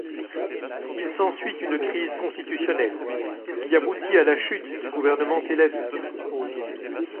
Il s'ensuit une crise constitutionnelle, qui aboutit à la chute du gouvernement Telavi.